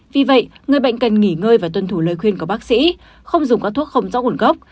vì vậy người bệnh cần nghỉ ngơi và tuân thủ lời khuyên của bác sĩ không dùng các thuốc không rõ nguồn gốc